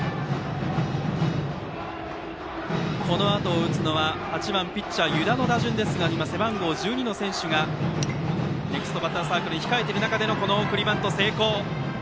このあとを打つのは８番ピッチャー湯田の打順ですが今、背番号１２の選手がネクストバッターズサークルに控えている中での送りバント成功。